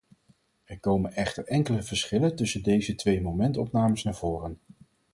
Er komen echter enkele verschillen tussen deze twee momentopnames naar voren.